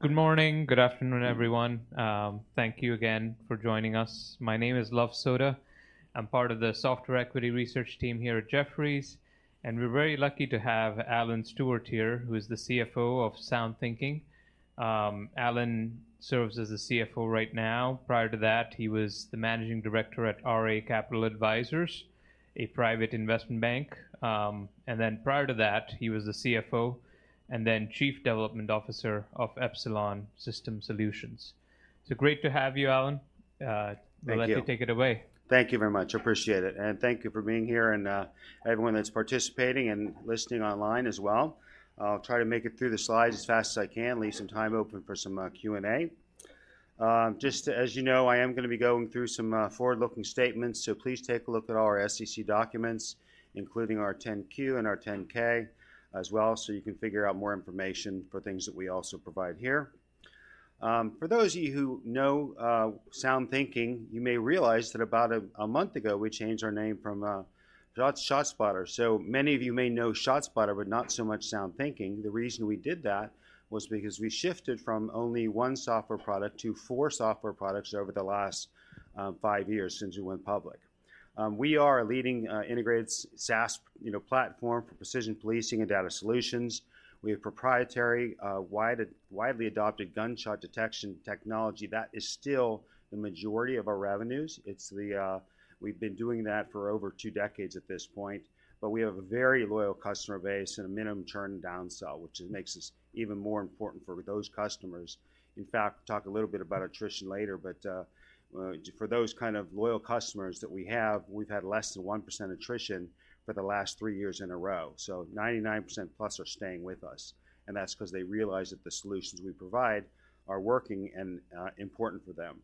Good morning, good afternoon, everyone. Thank you again for joining us. My name is Luv Sodha. I'm part of the software equity research team here at Jefferies, and we're very lucky to have Alan Stewart here, who is the CFO of SoundThinking. Alan serves as the CFO right now. Prior to that, he was the Managing Director at RA Capital Advisors, a private investment bank. Prior to that, he was the CFO and then Chief Development Officer of Epsilon Systems Solutions. Great to have you, Alan. Thank you. We'll let you take it away. Thank you very much. I appreciate it, thank you for being here, everyone that's participating and listening online as well. I'll try to make it through the slides as fast as I can, leave some time open for some Q&A. just as you know, I am gonna be going through some forward-looking statements, so please take a look at all our SEC documents, including our 10-Q and our 10-K as well, so you can figure out more information for things that we also provide here. for those of you who know SoundThinking, you may realize that about a month ago, we changed our name from ShotSpotter. Many of you may know ShotSpotter, but not so much SoundThinking. The reason we did that was because we shifted from only one software product to four software products over the last five years since we went public. We are a leading integrated SaaS, you know, platform for precision policing and data solutions. We have proprietary widely adopted gunshot detection technology. That is still the majority of our revenues. It's the. We've been doing that for over two decades at this point, but we have a very loyal customer base and a minimum churn down sell, which makes us even more important for those customers. In fact, we'll talk a little bit about attrition later, but for those kind of loyal customers that we have, we've had less than 1% attrition for the last three years in a row. 99%+ are staying with us, and that's 'cause they realize that the solutions we provide are working and important for them.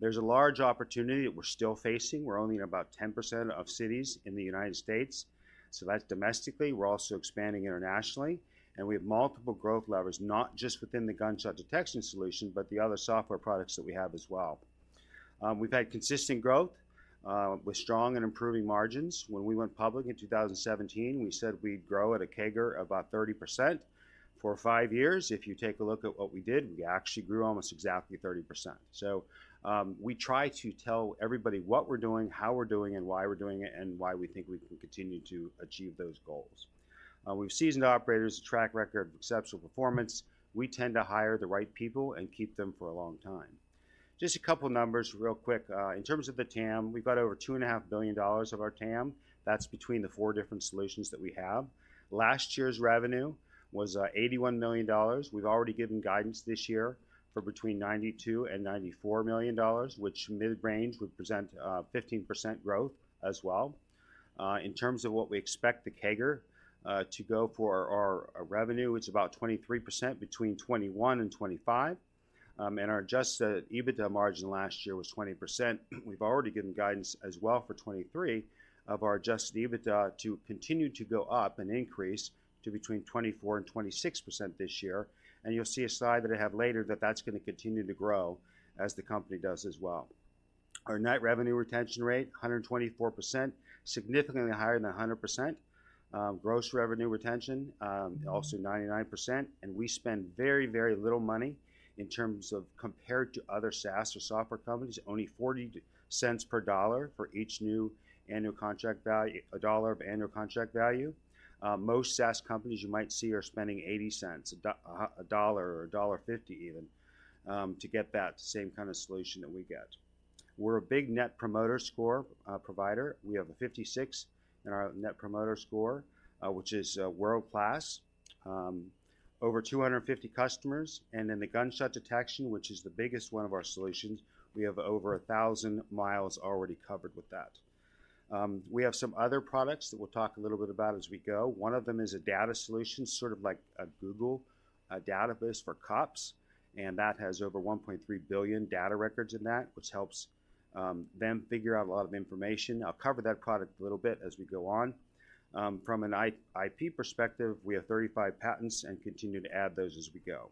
There's a large opportunity that we're still facing. We're only in about 10% of cities in the United States, so that's domestically. We're also expanding internationally, and we have multiple growth levers, not just within the gunshot detection solution, but the other software products that we have as well. We've had consistent growth with strong and improving margins. When we went public in 2017, we said we'd grow at a CAGR of about 30% for five years. If you take a look at what we did, we actually grew almost exactly 30%. We try to tell everybody what we're doing, how we're doing, and why we're doing it, and why we think we can continue to achieve those goals. We've seasoned operators, a track record of exceptional performance. We tend to hire the right people and keep them for a long time. Just a couple numbers real quick. In terms of the TAM, we've got over $2.5 billion of our TAM. That's between the four different solutions that we have. Last year's revenue was $81 million. We've already given guidance this year for between $92 million and $94 million, which mid-range would present 15% growth as well. In terms of what we expect the CAGR to go for our revenue, it's about 23% between 2021 and 2025. Our adjusted EBITDA margin last year was 20%. We've already given guidance as well for 2023 of our adjusted EBITDA to continue to go up and increase to between 24% and 26% this year. You'll see a slide that I have later that that's gonna continue to grow as the company does as well. Our net revenue retention rate, 124%, significantly higher than 100%. Gross revenue retention, also 99%, and we spend very, very little money in terms of compared to other SaaS or software companies, only $0.40 per $1 for each new annual contract value, $1 of annual contract value. Most SaaS companies you might see are spending $0.80, $1 or $1.50 even, to get that same kind of solution that we get. We're a big Net Promoter Score provider. We have a 56 in our Net Promoter Score, which is world-class. In the gunshot detection, which is the biggest one of our solutions, we have over 1,000 mi already covered with that. We have some other products that we'll talk a little bit about as we go. One of them is a data solution, sort of like a Google, a database for cops, and that has over 1.3 billion data records in that, which helps them figure out a lot of information. I'll cover that product a little bit as we go on. From an IP perspective, we have 35 patents and continue to add those as we go.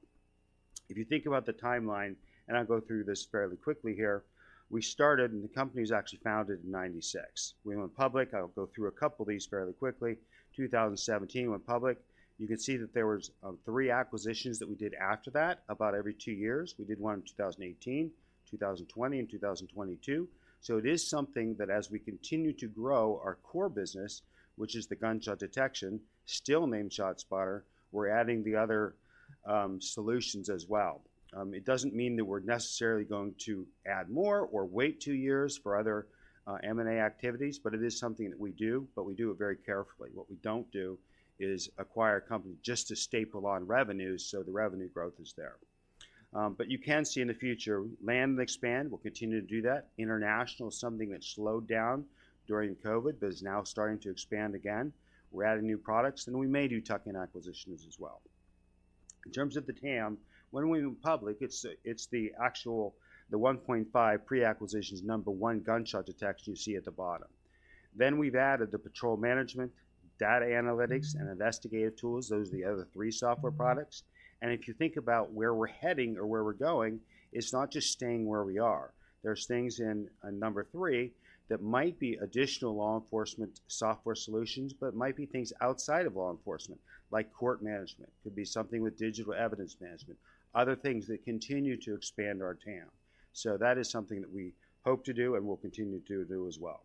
If you think about the timeline, and I'll go through this fairly quickly here, we started, and the company was actually founded in 96. We went public. I'll go through a couple of these fairly quickly. 2017, we went public. You can see that there was three acquisitions that we did after that, about every two years. We did one in 2018, 2020, and 2022. It is something that as we continue to grow our core business, which is the gunshot detection, still named ShotSpotter, we're adding the other solutions as well. It doesn't mean that we're necessarily going to add more or wait two years for other M&A activities, but it is something that we do, but we do it very carefully. What we don't do is acquire a company just to staple on revenues, so the revenue growth is there. But you can see in the future, land and expand, we'll continue to do that. International is something that slowed down during COVID, but is now starting to expand again. We're adding new products, and we may do tuck-in acquisitions as well. In terms of the TAM, when we went public, it's the 1.5 pre-acquisitions, number one, gunshot detection you see at the bottom. We've added the patrol management, data analytics, and investigative tools. Those are the other three software products. If you think about where we're heading or where we're going, it's not just staying where we are. There's things in number three that might be additional law enforcement software solutions, but might be things outside of law enforcement, like court management. Could be something with digital evidence management, other things that continue to expand our TAM. That is something that we hope to do and will continue to do as well.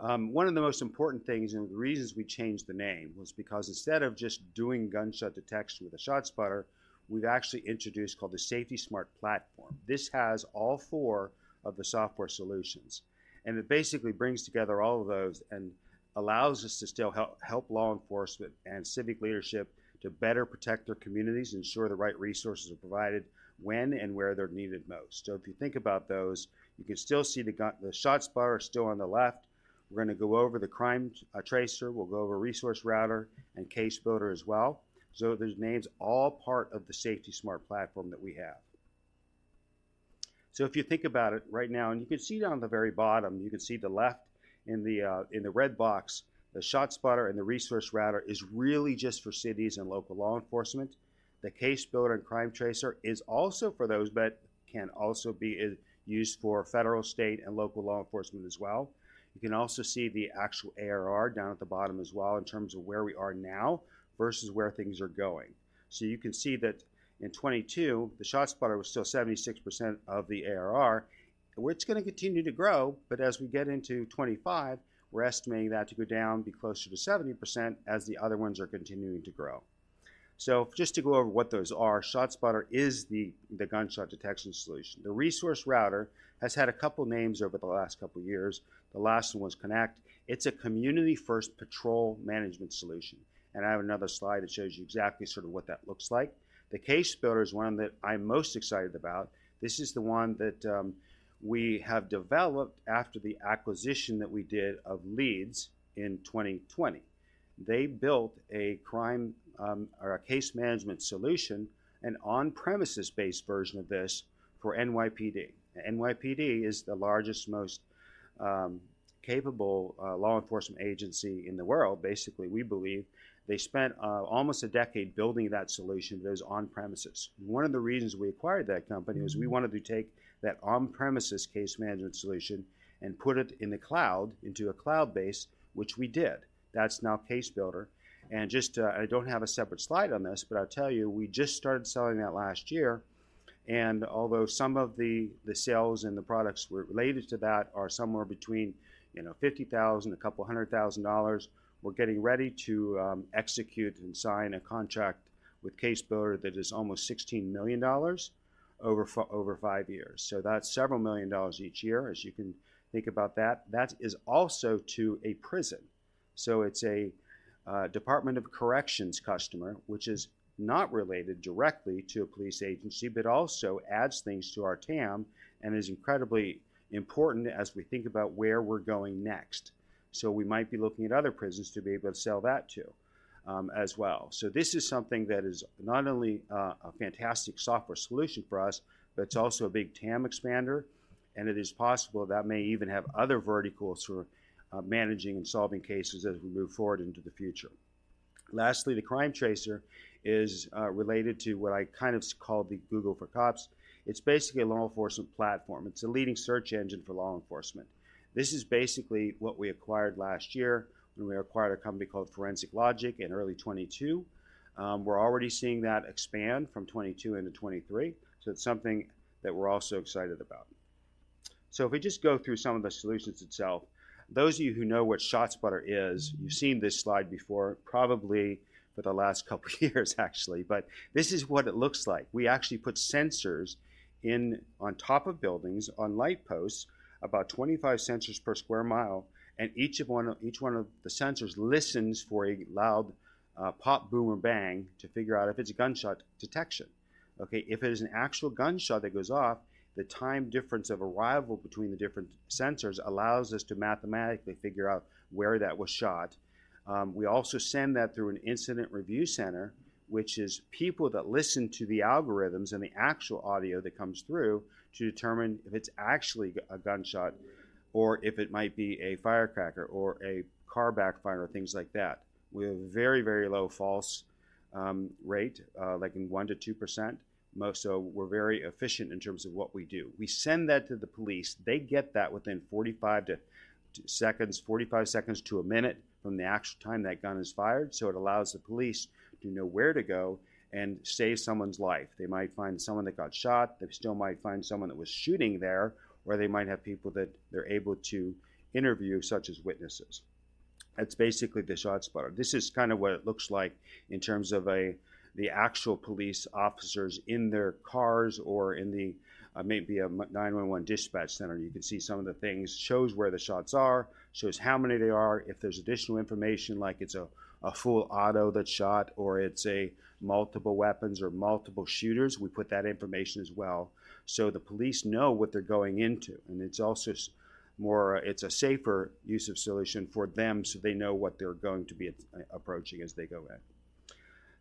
One of the most important things, and the reasons we changed the name, was because instead of just doing gunshot detection with a ShotSpotter, we've actually introduced, called the SafetySmart Platform. This has all four of the software solutions, and it basically brings together all of those and allows us to still help law enforcement and civic leadership to better protect their communities, ensure the right resources are provided when and where they're needed most. If you think about those, you can still see the ShotSpotter still on the left. We're gonna go over the CrimeTracer, we'll go over ResourceRouter, and CaseBuilder as well. Those names, all part of the SafetySmart Platform that we have. If you think about it right now, and you can see down on the very bottom, you can see the left in the red box, the ShotSpotter and the ResourceRouter is really just for cities and local law enforcement. The CaseBuilder and CrimeTracer is also for those, but can also be used for federal, state, and local law enforcement as well. You can also see the actual ARR down at the bottom as well, in terms of where we are now versus where things are going. You can see that in 2022, the ShotSpotter was still 76% of the ARR, which gonna continue to grow, but as we get into 2025, we're estimating that to go down, be closer to 70%, as the other ones are continuing to grow. Just to go over what those are, ShotSpotter is the gunshot detection solution. The Resource Router has had a couple names over the last couple years. The last one was Connect. It's a community-first patrol management solution, and I have another slide that shows you exactly sort of what that looks like. The CaseBuilder is one that I'm most excited about. This is the one that we have developed after the acquisition that we did of LEEDS in 2020. They built a crime or a case management solution, an on-premises-based version of this for NYPD. NYPD is the largest, most capable law enforcement agency in the world. Basically, we believe they spent almost a decade building that solution, those on-premises. One of the reasons we acquired that company is we wanted to take that on-premises case management solution and put it in the cloud, into a cloud-based, which we did. That's now CaseBuilder. Just, I don't have a separate slide on this, but I'll tell you, we just started selling that last year, and although some of the sales and the products were related to that are somewhere between, you know, $50,000-$200,000, we're getting ready to execute and sign a contract with CaseBuilder that is almost $16 million over five years. That's several million dollars each year, as you can think about that. That is also to a prison. It's a Department of Corrections customer, which is not related directly to a police agency, but also adds things to our TAM and is incredibly important as we think about where we're going next. We might be looking at other prisons to be able to sell that to as well. This is something that is not only a fantastic software solution for us, but it's also a big TAM expander, and it is possible that may even have other verticals for managing and solving cases as we move forward into the future. Lastly, the CrimeTracer is related to what I kind of call the Google for cops. It's basically a law enforcement platform. It's a leading search engine for law enforcement. This is basically what we acquired last year when we acquired a company called Forensic Logic in early 2022. We're already seeing that expand from 2022 into 2023, it's something that we're also excited about. If we just go through some of the solutions itself, those of you who know what ShotSpotter is, you've seen this slide before, probably for the last couple years, actually, but this is what it looks like. We actually put sensors on top of buildings, on light posts, about 25 sensors per square mile, and each one of the sensors listens for a loud pop, boom, or bang to figure out if it's a gunshot detection. Okay, if it is an actual gunshot that goes off, the time difference of arrival between the different sensors allows us to mathematically figure out where that was shot. We also send that through an Incident Review Center, which is people that listen to the algorithms and the actual audio that comes through to determine if it's actually a gunshot or if it might be a firecracker or a car backfire or things like that. We have a very low false rate, like in 1%-2%. We're very efficient in terms of what we do. We send that to the police. They get that within 45 seconds to one minute from the actual time that gun is fired, so it allows the police to know where to go and save someone's life. They might find someone that got shot, they still might find someone that was shooting there, or they might have people that they're able to interview, such as witnesses. That's basically the ShotSpotter. This is kind of what it looks like in terms of the actual police officers in their cars or in the maybe a 911 dispatch center. You can see some of the things, shows where the shots are, shows how many they are. If there's additional information, like it's a full auto that shot, or it's a multiple weapons or multiple shooters, we put that information as well, so the police know what they're going into, and it's also it's a safer use of solution for them, so they know what they're going to be approaching as they go in.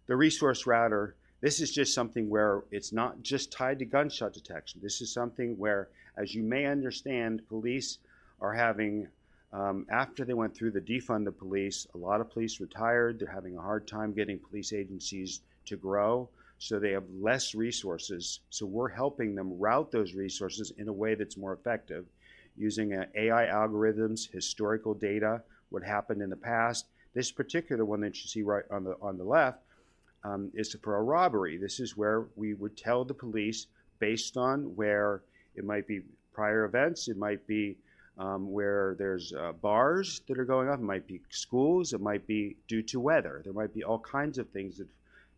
The ResourceRouter, this is just something where it's not just tied to gunshot detection. This is something where, as you may understand, police are having, after they went through the defund the police, a lot of police retired. They're having a hard time getting police agencies to grow, so they have less resources. We're helping them route those resources in a way that's more effective using AI algorithms, historical data, what happened in the past. This particular one that you see right on the, on the left, is for a robbery. This is where we would tell the police, based on where it might be prior events, it might be, where there's bars that are going up, it might be schools, it might be due to weather. There might be all kinds of things that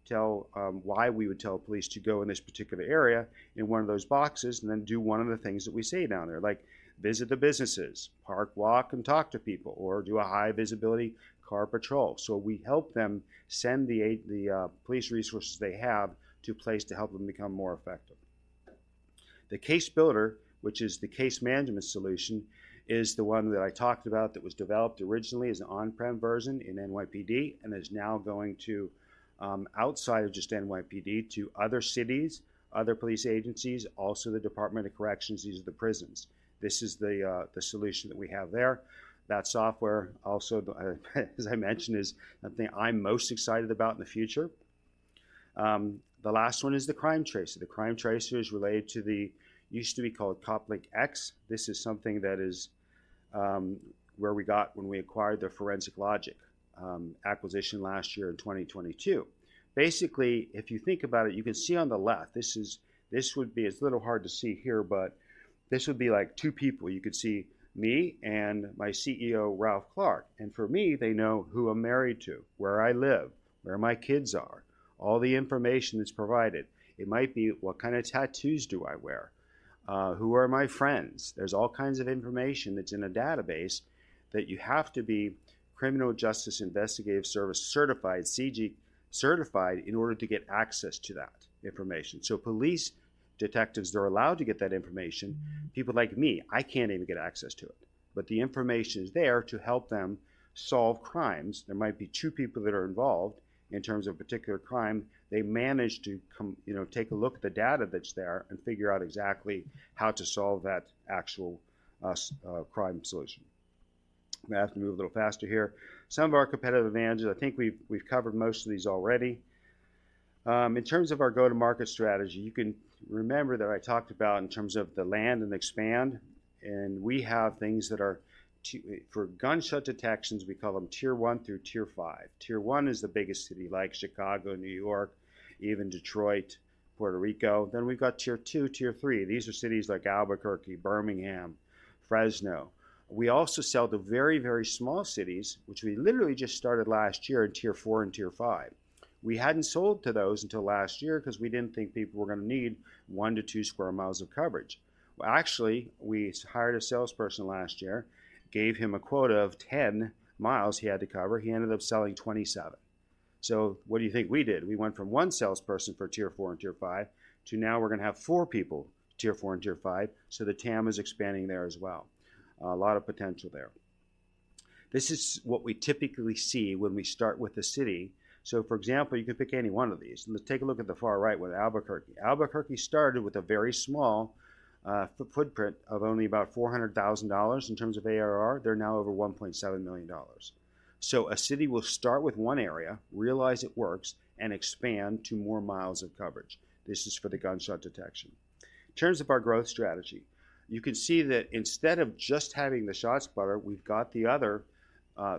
tell why we would tell police to go in this particular area in one of those boxes, and then do one of the things that we say down there, like visit the businesses, park, walk, and talk to people, or do a high-visibility car patrol. We help them send the police resources they have to place to help them become more effective. The CaseBuilder, which is the case management solution, is the one that I talked about that was developed originally as an on-prem version in NYPD, and is now going to outside of just NYPD to other cities, other police agencies, also the Department of Corrections, these are the prisons. This is the solution that we have there. That software, also, as I mentioned, is the thing I'm most excited about in the future. The last one is the CrimeTracer. The CrimeTracer is related to the used to be called COPLINK X. This is something that is where we got when we acquired the Forensic Logic acquisition last year in 2022. Basically, if you think about it, you can see on the left, this would be... It's a little hard to see here, but this would be, like, two people. You could see me and my CEO Ralph Clark. For me, they know who I'm married to, where I live, where my kids are, all the information that's provided. It might be, what kind of tattoos do I wear? Who are my friends? There's all kinds of information that's in a database that you have to be Criminal Justice Information Services certified, CJIS certified, in order to get access to that information. Police detectives, they're allowed to get that information. People like me, I can't even get access to it, but the information is there to help them solve crimes. There might be two people that are involved in terms of a particular crime. They manage to you know, take a look at the data that's there and figure out exactly how to solve that actual crime solution. I have to move a little faster here. Some of our competitive advantages, I think we've covered most of these already. In terms of our go-to-market strategy, you can remember that I talked about in terms of the land and expand, and we have things that are for gunshot detections, we call them Tier 1 through Tier 5. Tier 1 is the biggest city, like Chicago, New York, even Detroit, Puerto Rico. We've got Tier 2, Tier 3. These are cities like Albuquerque, Birmingham, Fresno. We also sell to very, very small cities, which we literally just started last year in Tier 4 and Tier 5. We hadn't sold to those until last year because we didn't think people were gonna need 1-2 sq mi of coverage. Well, actually, we hired a salesperson last year, gave him a quota of 10 mi he had to cover. He ended up selling 27. What do you think we did? We went from one salesperson for Tier 4 and Tier 5 to now we're gonna have four people, Tier 4 and Tier 5, the TAM is expanding there as well. A lot of potential there. This is what we typically see when we start with the city. For example, you could pick any one of these, and let's take a look at the far right with Albuquerque. Albuquerque started with a very small footprint of only about $400,000 in terms of ARR. They're now over $1.7 million. A city will start with one area, realize it works, and expand to more miles of coverage. This is for the gunshot detection. In terms of our growth strategy, you can see that instead of just having the ShotSpotter, we've got the other,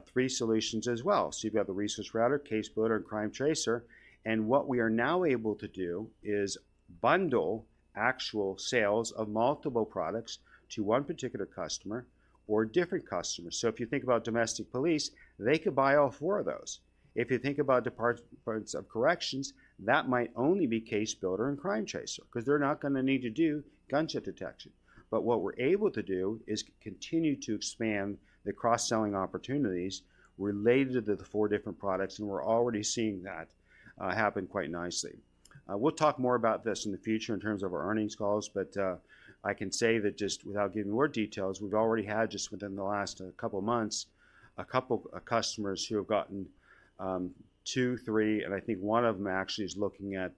three solutions as well. You've got the ResourceRouter, CaseBuilder, and CrimeTracer, and what we are now able to do is bundle actual sales of multiple products to one particular customer or different customers. If you think about domestic police, they could buy all four of those. If you think about Departments of Corrections, that might only be CaseBuilder and CrimeTracer, 'cause they're not gonna need to do gunshot detection. What we're able to do is continue to expand the cross-selling opportunities related to the four different products, and we're already seeing that happen quite nicely. We'll talk more about this in the future in terms of our earnings calls, but I can say that just without giving more details, we've already had, just within the last couple of months, a couple of customers who have gotten, two, three, and I think one of them actually is looking at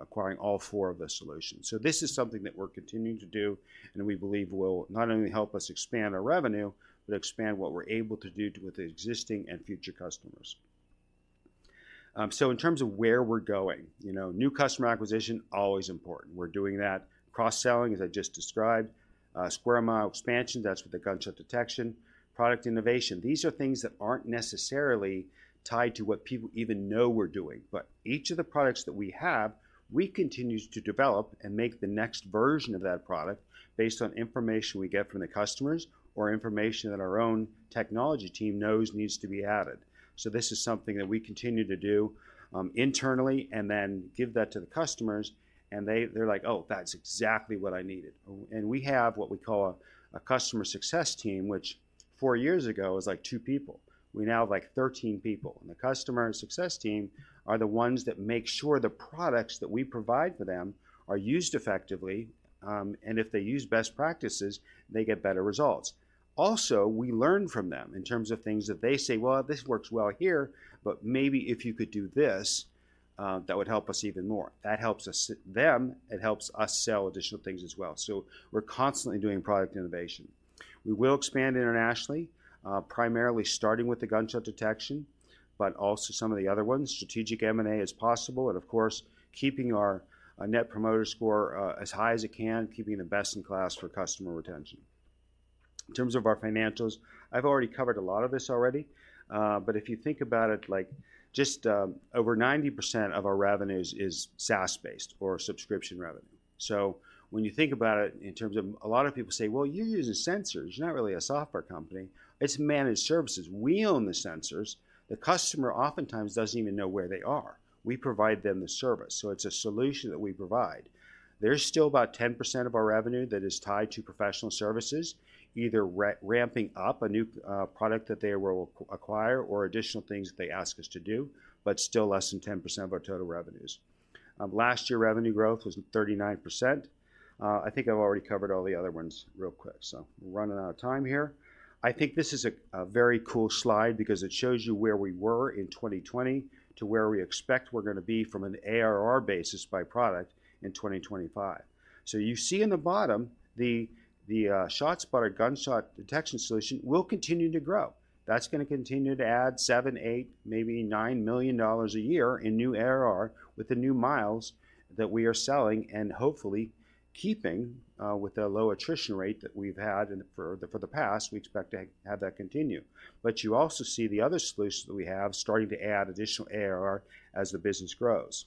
acquiring all four of the solutions. This is something that we're continuing to do, and we believe will not only help us expand our revenue, but expand what we're able to do with the existing and future customers. In terms of where we're going, you know, new customer acquisition, always important. We're doing that. Cross-selling, as I just described. Square mile expansion, that's with the gunshot detection. Product innovation, these are things that aren't necessarily tied to what people even know we're doing. Each of the products that we have, we continue to develop and make the next version of that product based on information we get from the customers or information that our own technology team knows needs to be added. This is something that we continue to do internally and then give that to the customers, and they're like, "Oh, that's exactly what I needed." We have what we call a customer success team, which four years ago, it was like two people. We now have, like, 13 people. The customer and success team are the ones that make sure the products that we provide for them are used effectively, and if they use best practices, they get better results. We learn from them in terms of things that they say, "Well, this works well here, but maybe if you could do this, that would help us even more." That helps them, it helps us sell additional things as well. We're constantly doing product innovation. We will expand internationally, primarily starting with the gunshot detection, but also some of the other ones. Strategic M&A is possible, of course, keeping our Net Promoter Score as high as it can, keeping the best in class for customer retention. In terms of our financials, I've already covered a lot of this already, but if you think about it, like, just over 90% of our revenues is SaaS-based or subscription revenue. When you think about it in terms of, a lot of people say, "Well, you're using sensors. You're not really a software company. It's managed services." We own the sensors. The customer oftentimes doesn't even know where they are. We provide them the service, so it's a solution that we provide. There's still about 10% of our revenue that is tied to professional services, either ramping up a new product that they will acquire or additional things that they ask us to do, but still less than 10% of our total revenues. Last year, revenue growth was 39%. I think I've already covered all the other ones real quick, we're running out of time here. I think this is a very cool slide because it shows you where we were in 2020 to where we expect we're gonna be from an ARR basis by product in 2025. You see in the bottom, the ShotSpotter gunshot detection solution will continue to grow. That's gonna continue to add $7 million, $8 million, maybe $9 million a year in new ARR with the new miles that we are selling and hopefully keeping with the low attrition rate that we've had and for the past, we expect to have that continue. You also see the other solutions that we have starting to add additional ARR as the business grows.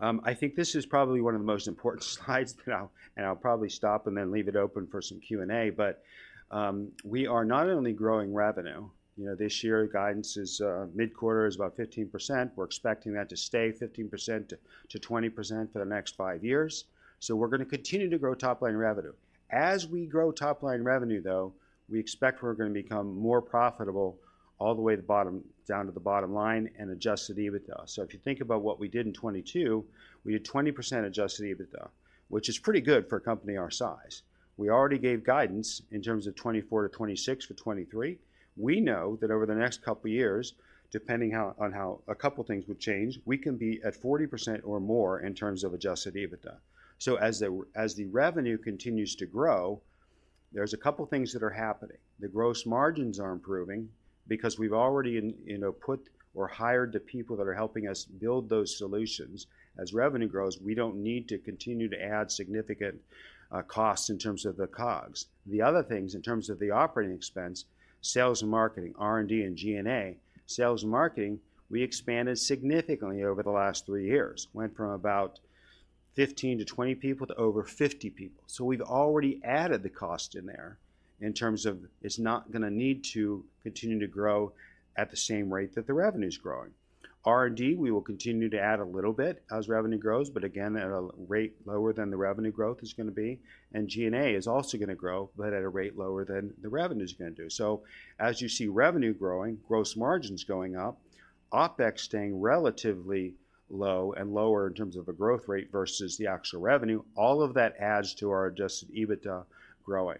I think this is probably one of the most important slides that I'll, and I'll probably stop and then leave it open for some Q&A. We are not only growing revenue. You know, this year, guidance is mid-quarter is about 15%. We're expecting that to stay 15%-20% for the next five years, so we're gonna continue to grow top-line revenue. As we grow top-line revenue, though, we expect we're gonna become more profitable all the way to the bottom, down to the bottom line and adjusted EBITDA. If you think about what we did in 2022, we had 20% adjusted EBITDA, which is pretty good for a company our size. We already gave guidance in terms of 24%-26% for 2023. We know that over the next couple of years, depending on how a couple things would change, we can be at 40% or more in terms of adjusted EBITDA. as the revenue continues to grow, there's a couple things that are happening. The gross margins are improving because we've already, you know, put or hired the people that are helping us build those solutions. As revenue grows, we don't need to continue to add significant costs in terms of the COGS. The other things, in terms of the operating expense, sales and marketing, R&D, and G&A. Sales and marketing, we expanded significantly over the last three years. Went from about 15-20 people to over 50 people. We've already added the cost in there in terms of it's not gonna need to continue to grow at the same rate that the revenue's growing. R&D, we will continue to add a little bit as revenue grows, but again, at a rate lower than the revenue growth is gonna be. G&A is also gonna grow, but at a rate lower than the revenue's gonna do. As you see revenue growing, gross margins going up, OPEX staying relatively low and lower in terms of the growth rate versus the actual revenue, all of that adds to our adjusted EBITDA growing.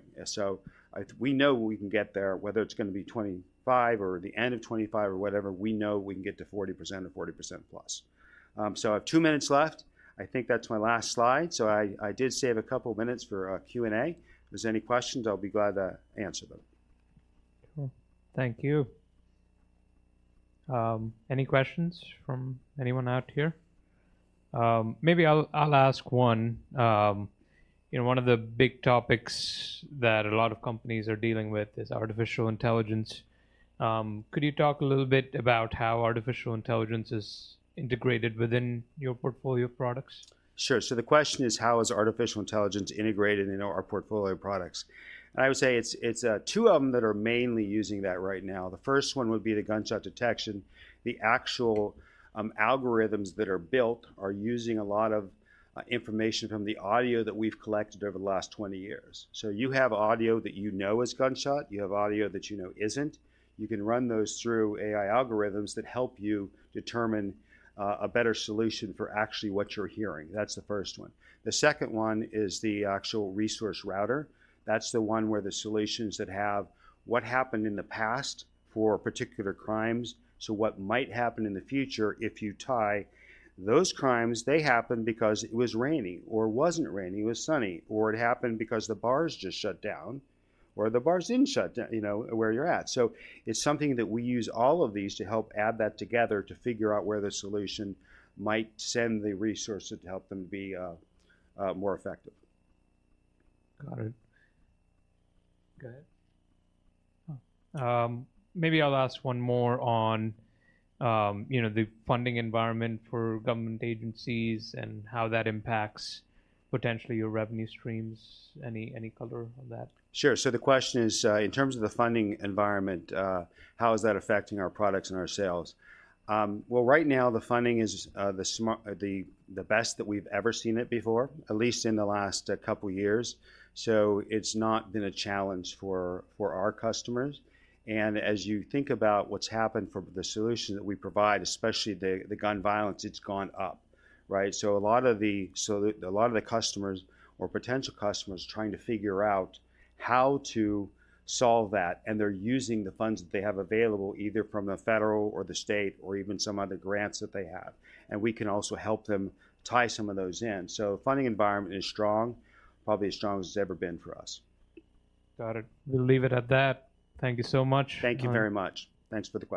We know we can get there, whether it's gonna be 2025 or the end of 2025 or whatever, we know we can get to 40% or 40%+. I have two minutes left. I think that's my last slide. I did save a couple of minutes for Q&A. If there's any questions, I'll be glad to answer them. Cool. Thank you. Any questions from anyone out here? Maybe I'll ask one. You know, one of the big topics that a lot of companies are dealing with is artificial intelligence. Could you talk a little bit about how artificial intelligence is integrated within your portfolio of products? Sure. The question is, how is artificial intelligence integrated into our portfolio of products? I would say it's two of them that are mainly using that right now. The first one would be the gunshot detection. The actual algorithms that are built are using a lot of information from the audio that we've collected over the last 20 years. You have audio that you know is gunshot, you have audio that you know isn't. You can run those through AI algorithms that help you determine a better solution for actually what you're hearing. That's the first one. The second one is the actual ResourceRouter. That's the one where the solutions that have what happened in the past for particular crimes, so what might happen in the future if you tie those crimes, they happened because it was rainy or wasn't rainy, it was sunny, or it happened because the bars just shut down, or the bars didn't shut down, you know, where you're at. It's something that we use all of these to help add that together to figure out where the solution might send the resources to help them be more effective. Got it. Go ahead. Maybe I'll ask one more on, you know, the funding environment for government agencies and how that impacts potentially your revenue streams. Any color on that? Sure. The question is, in terms of the funding environment, how is that affecting our products and our sales? Right now, the funding is the best that we've ever seen it before, at least in the last couple of years. It's not been a challenge for our customers. As you think about what's happened for the solution that we provide, especially the gun violence, it's gone up, right? A lot of the customers or potential customers trying to figure out how to solve that, and they're using the funds that they have available, either from the federal or the state or even some other grants that they have. We can also help them tie some of those in. Funding environment is strong, probably as strong as it's ever been for us. Got it. We'll leave it at that. Thank you so much. Thank you very much.